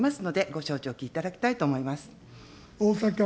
ご承知おきいただきたいと思います。